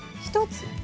１つ！